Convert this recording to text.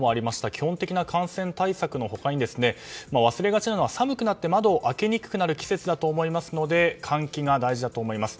基本的な感染対策の他に忘れがちなのが寒くなって窓を開けにくくなる季節だと思いますので換気が大事だと思います。